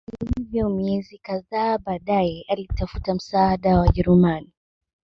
Hata hivyo miezi kadhaa baadae alitafuta msaada wa Wajerumani